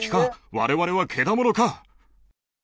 われわれはけだものか？